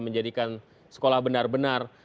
menjadikan sekolah benar benar